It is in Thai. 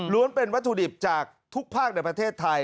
เป็นวัตถุดิบจากทุกภาคในประเทศไทย